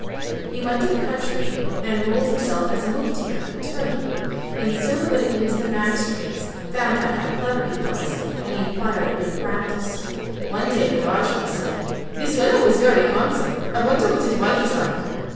He went to the cutcherry and enrolled himself as a muktear (attorney) and soon the litigants and the magistrates found out how clever he was and he acquired a big practice. One day the Raja said, "This fellow is very handsome, I wonder what his wife is like?"